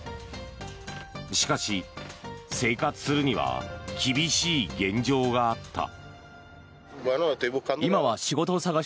しかし、生活するには厳しい現状があった。